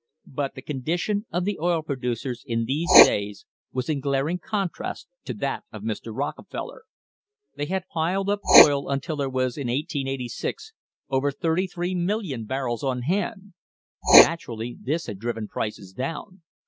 But the condition of the oil producer in these days was in glaring contrast to that of Mr. Rockefeller. They had piled up oil until there were in 1886 over 33, 000,000 barrels on hand. Naturally this had driven prices down.